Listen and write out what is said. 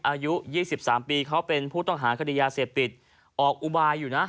อายุ๒๓ปีเขาเป็นผู้ต้องหาคดียาเสพติดออกอุบายอยู่นะ